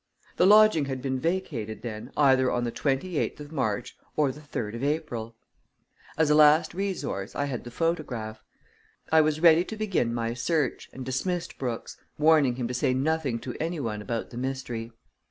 The lodging had been vacated, then, either on the twenty eighth of March or the third of April. As a last resource, I had the photograph. I was ready to begin my search, and dismissed Brooks, warning him to say nothing to anyone about the mystery.